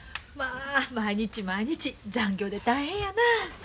まあ毎日毎日残業で大変やなあ。